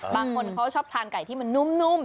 บางคนเขาชอบทานไก่ที่มันนุ่ม